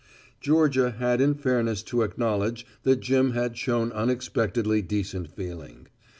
Georgia had in fairness to acknowledge that Jim had shown unexpectedly decent feeling.